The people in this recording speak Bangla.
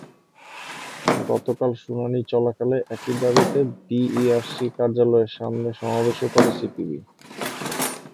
গতকাল শুনানি চলাকালে একই দাবিতে বিইআরসি কার্যালয়ের সামনে সমাবেশও করে সিপিবি।